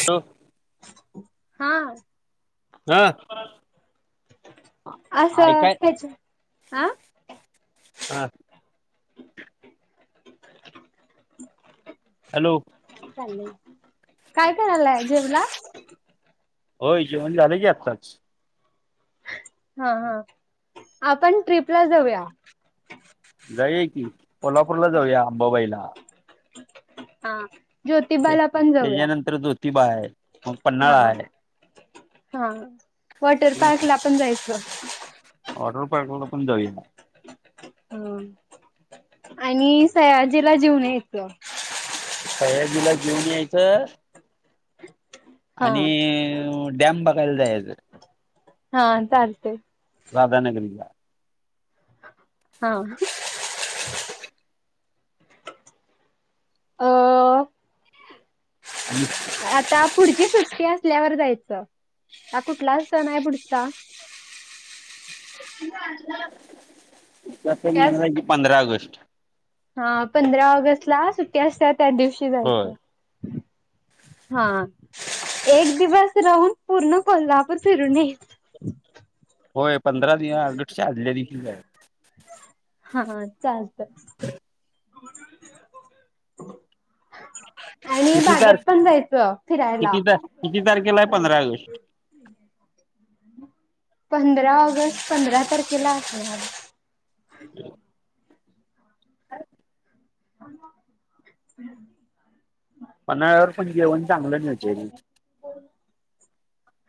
[unintelligible] हां. हा.. असं खायचं. आ.. हां.. [inaudible] हॅलो. काय करालाय जेवला. होय जेवण झालं की आत्ताच. हा हा. आपण ट्रीपला जाऊया. जाऊ या की कोल्हापूरला जाऊया अंबाबाईला. हा ज्योतिबाला पण जाऊया त्याच्यानंतर ज्योतिबा आहे मग पन्हाळा हा. आहे हा वॉटर पार्क ला पण जायचं. वॉटर पार्क ला पण जाऊया. ह आणि सयाजीला जेवून यायचं. सयाजीला जेवून यायचं. हा आणि डॅम बघायला जायचं. हा चालतंय. राधानगरीला. हा.. अ.. हम् [unintelligible] आता पुढची सुट्टी असल्यावर जायचं आता कुठला सण आहे पुढचा आज [unintelligible] उद्या पण येणार त्यास आहे की पंधरा ऑगस्ट हा पंधरा ऑगस्ट ला सुट्टी असत्या दिवशी होय जायचं. हा एक दिवस राहून पूर्ण कोल्हापूर फिरून ये. होय पंधरा दिना ऑगस्ट आदल्या दिवशी जायचं. हा चालत. ह [unintelligible] आणि किती तार बागेत पण जायचं फिरायला. किती तार किती तारखेला आहे पंधरा ऑगस्ट पंधरा ऑगस्ट पंधरा तारखेला असणार. ह [unintelligible] ह [unintelligible] हम् [unintelligible] पन्हाळ्यावर पण जेवण चांगलं मिळतय की.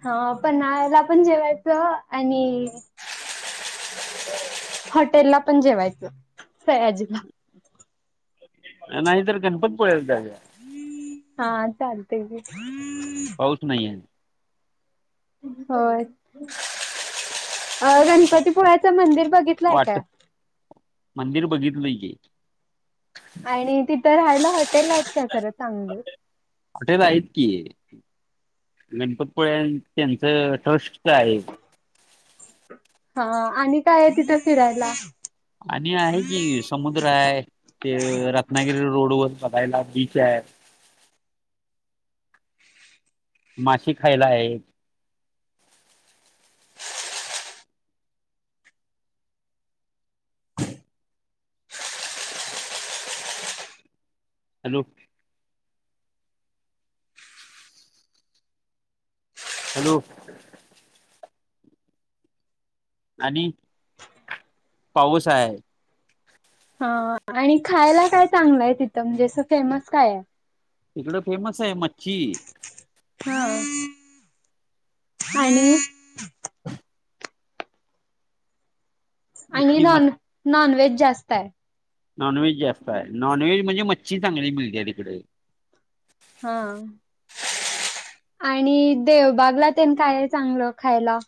हा पन्हाळ्याला पण जेवायचं आणि हॉटेल ला पण जेवायचं सयाजीला. अ नाहीतर गणपती पुळ्याला जाऊया. हा चालतय की. पाऊस नाही ये. होय अ गणपतीपुळ्याच मंदिर बघितलंय वाट काय? मंदिर बघितलंय की. आणि तिथं राहायलं हॉटेल आहेत काय खरं चांगल? हॉटेल आहेत की गणपतपुळे त्यांचं ट्रस्टच आहे. हा आणि काय आहे तिथं फिरायला? आणि आहे कि समुद्र आहे ते रत्नागिरी रोडवर बघायला बीच आहे. माशे खायला आहे. हॅलो! हॅलो! आणि पाऊस आहे. हा आणि खायला काय चांगलंय आहे तिथं म्हणजे असं फेमस काय आहे? ईकड फेमस आहे मच्छी. हा आणि आणि मच्छी म नॉन नॉनव्हेज जास्त आहे. नॉनव्हेज जास्त आहे नॉनव्हेज म्हणजे मच्छी चांगली मिळत्या तिकडे. हा. आणि देवबागला तेन काये चांगलं खायला?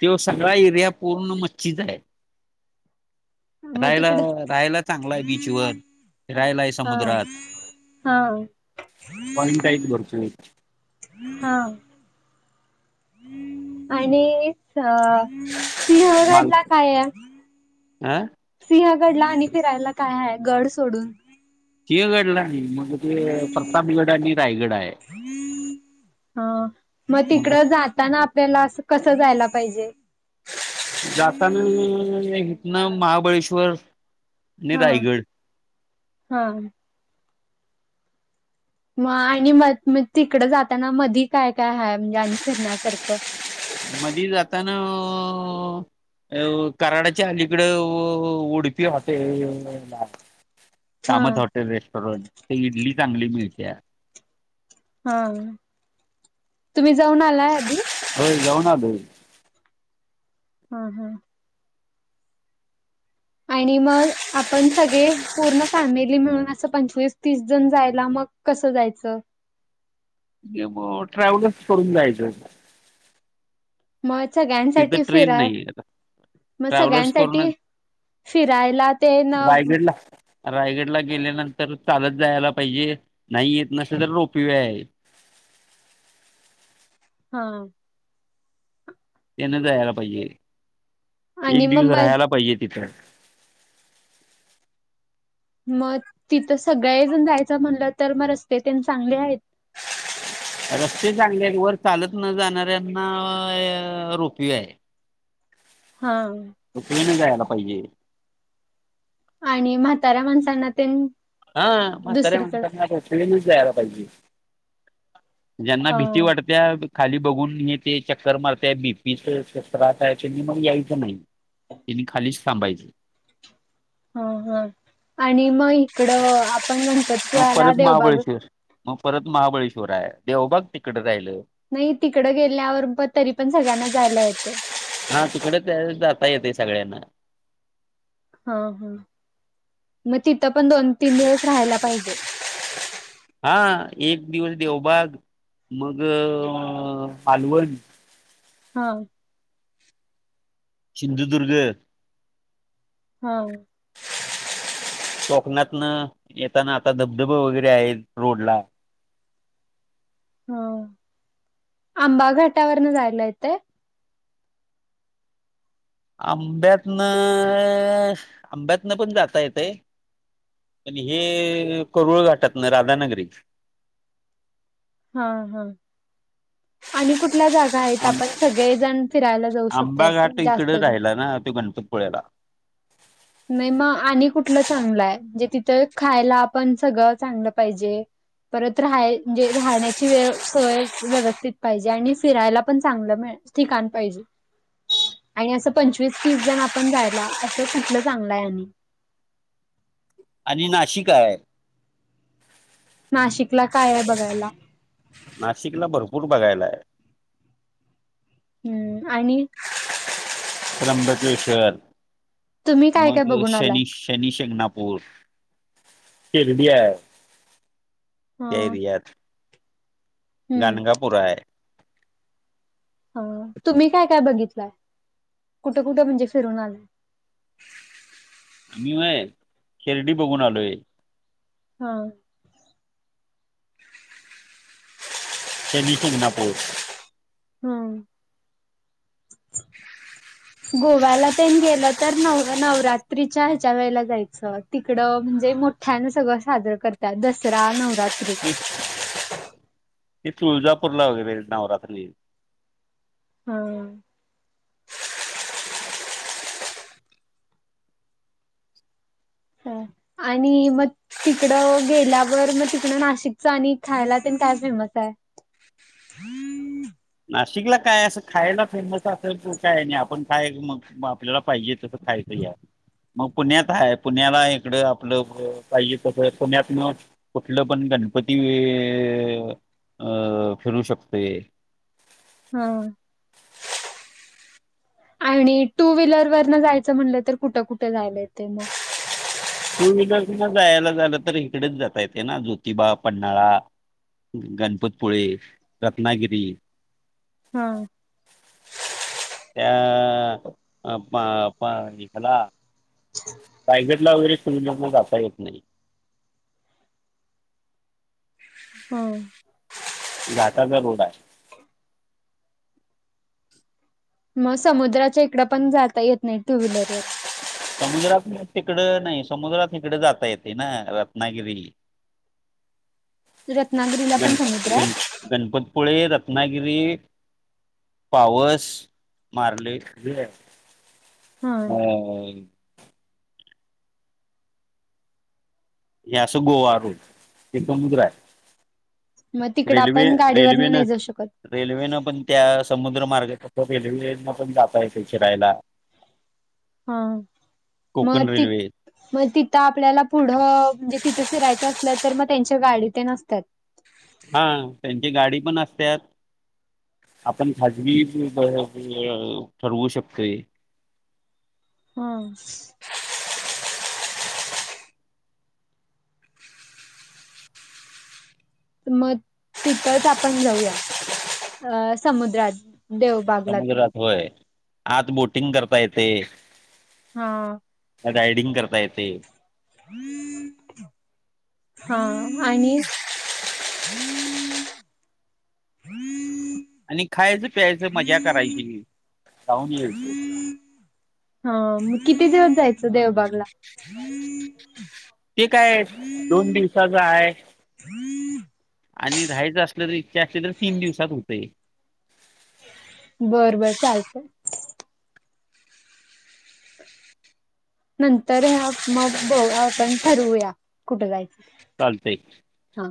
त्यो सगळा एरिया पूर्ण मच्छीचां आहे. मग रायला तिकडं राहायला चांगलाय बीचवर फिरायलाय हा समुद्रात हा. पॉईंट आहे की [unintelligible] हा. आणि च माल सिंहगडला काय आहे? अ सिंहगडला आणि फिरायला काय आहे गड सोडून? सिंहगडला नाही, मग ते प्रतापगड आणि रायगड आहे. हा. मग तिकडं जाताना आपल्याला अस कसं जायला पाहिजे? जातानी हितनं महाबळेश्वर आणि हा रायगड हा. मग आणि म म तिकडं जाताना मधी काय काय आहे म्हणजे आणि फिरण्यासारखं? मधी जाताना अ कराडाची अलीकडं उडुपी हॉटेलला. हा कामत हॉटेल रेस्टॉरंट ते इडली चांगली मिळत्या. हा. तुम्ही जाऊन आला आधी? होय जाऊन आलोय. हा हा. आणि मग आपण सगळे पूर्ण फॅमिली मिळून असं पंचवीस तीस जण जायला मग कसं जायचं? [unintelligible] म ट्रॅव्हलर्स करून जायचं. मग तिथं सगळ्यांसाठी ट्रेन फिराय नाहीये आता. मग ट्रॅव्हलर्स सगळ्यांसाठी करूनच फिरायला ते न रायगडला. रायगडला गेल्यानंतर चालत जायला पाहिजे. नाही येत नसलं तर रोपवे आहेच. हा. तेन जायला पाहिजे, आणि एक मग दिवस म राहायला पाहिजे तिथं. मग तिथं सगळे जण जायचं म्हणलं तर मग रस्ते तेन चांगले आहेत. रस्ते चांगले आहेत. वर चालत न जाणाऱ्यांना अं रोपवे आहे. हा. [unintelligible] जायाला पाहिजे. आणि म्हाताऱ्या माणसांना तेन हा म्हाताऱ्या दुसरीकडं माणसांना रोपवेनच जायला पाहिजे. ज्यांना हा भीती वाटत त्या खाली बघून हे ते चक्कर मारते बीपीच [unintelligible] मग यायचं नाही. तेनी खालीच थांबायचं. हा हा आणि मग इकडं आपण मग गणपतीपुळ्याला परत देवबाग महाबळेश्वर मग परत महाबळेश्वर आहे, देवबाग तिकडे राहिलं. नाही तिकडं गेल्यावर प तरी पण सगळ्यांना जायला येतंय. हा तिकडे ते जाता येतंय सगळ्यांना. हा हा मग तिथं पण दोन तीन दिवस राहायला पाहिजे. हा एक दिवस देवबाग, मग मालवण. हा. सिंधुदुर्ग. हा. कोकणातन येताना आता धबधब वगैरे आहे रोड ला. हा. आंबा घाटावरनं जायला येतंय. आंब्यातनं अ आंब्यातनं पण जाता येतंय. आणि हे कुरुळ घाटातनं राधानगरी हा हा. आणि कुठल्या जागा आहेत आं आपण सगळेजण फिरायला जाऊ शकतोय असं. जास्त तिकडं जण राहिला ना त्यो गण गणपतपुळ्याला. नाही मग आणि कुठलं चांगलंय हाय, म्हणजे तिथं खायला आपण सगळं चांगलं पाहिजे. परत राहायची राहण्याची वेव सोय व्यवस्थित पाहिजे आणि फिरायला पण चांगलं पाहिजे. ठिकाण पाहिजे आणि असं पंचवीस तीस जण आपण जायला असं कुठ कुटल चांगलं हाय आणि? आणि नाशिक हाय. नाशिकला काय आहे बघायला. नाशिकला भरपूर बघायलाय हाय. हम्म आणि त्रमबकेश्वर तुम्ही काय काय मग बघून आलाय शनीश शनीशिंगणापूर शिर्डी हाय. ह त्या एरियात हम्म गंगापुर हाय. ह तुम्ही काय काय बघितलाय? कुठं कुठं म्हणजे फिरून आलंय. मीव्हाय, शिर्डी बघून आलोय. हा. शनीशिंगणापूर. हम्म. गोव्याला तेन गेलं तर नव नवरात्रीच्या ह्याच्या वेळेला जायचं. तिकडं म्हणजे मोठ्यानं सगळं साजरं करत्यात दसरा, नवरात्री. ते तुळजापूरला वगैरे नवरात्र. हा. हा, आणि म तिकडं गेल्यावर मग तिकडं नाशिकच आणि खायला तेण काय फेमस आहे. [unintelligible] नाशिकला काय असं खायला फेमस असल काय नाही आपण खाय मग म आपल्याला पाहिजे तसं खायचं या मग पुण्यात हाय पुण्याला इकडं आपलं पाहिजे तस पुण्यात म. कुठलं पण गणपती वे अ फिरू शकतोय. हम्म. आणि टूव्हीलर वरन जायचं म्हटलं तर कुठं कुठं जायला येतय मग? टू व्हीलर न जायला झालं तर इकडच जाता येते ना ज्योतिबा पन्हाळा. गणपतपुळे, रत्नागिरी. हा. त्या आप पा पाणी ह्याला रायगडला वगैरे. टू व्हीलर न जाता येत नाही. हम्म. घाटाचा रोड हाय. म समुद्राच्या इकडं पण जाता येत नाही टू व्हीलररून. समुद्रात तिकड नाही समुद्रात इकड जाता येतय ना, रत्नागिरी. रत्नागिरीला गण पण समुद्र आहे गण गणपत पुळे रत्नागिरी पावस मारले [inaudible] आहे. हा व्हय व्हय. हे असं गोवा रोड हे समुद्र हाय. मग तिकड आपण गाडीवर्ण रेल्वेनं नाही जाऊ शकत. रेल्वेनं पण त्या समुद्र मार्गातफ रेल्वेन पण जाता येतंय फिरायला. हा, म कोकण ती रेल्वे म तिथं आपल्याला पुढं म्हणजे तिथं फिरायचं असलं तर मग त्यांच्या गाडी तेन असत्यात. हा त्यांची गाडी पण असत्यात आपण खाजवी [unintelligible] ठरवू शकतोय. हां. मत तिथंच आपण जाऊया अ समुद्रात. देव बागला ते. समुद्रात होय आत बोटिंग करता येते. हां. रायडिंग करता येते. हा आणि हम आणि खायचं प्यायच मजा करायची, खाऊन यायचं. हा म किती दिवस जायचं देवबागला? ते काय दोन दिवसाचा आहे. हम्म आणि राहायचं असल्या तर इच्छा असली तर तीन दिवसात होतय. बरं बरं चालतय. नंतर ह्या प मप बऊ आपण ठरवूया कुठे जायचं? चालतेय हा.